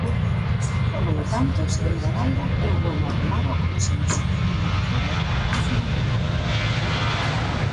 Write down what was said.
Polo tanto, señora Daira, eu volvo a apelar ao consenso nunha materia tan fundamental.